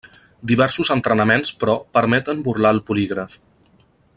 Diversos entrenaments, però, permeten burlar el polígraf.